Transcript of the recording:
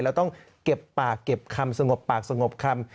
แล้วต้องเก็บปากเก็บคำสงบปากสงบคำ